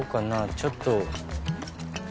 ちょっと。